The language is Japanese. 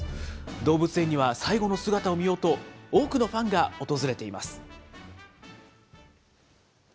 動物園には最後の姿を見ようと、多くのファンが訪れています。